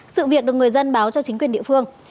sự việc được người dân báo cho chính quyền địa phương